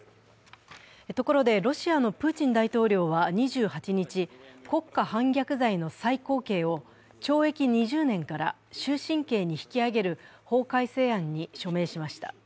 ところで、ロシアのプーチン大統領は２８日国家反逆罪の最高刑を懲役２０年から終身刑に引き上げる法改正案に署名しました。